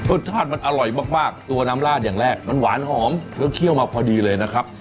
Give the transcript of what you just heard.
รสชาติมันอร่อยมากตัวน้ำราดอย่างแรกมันหวานหอมแล้วเคี่ยวมาพอดีเลยนะครับ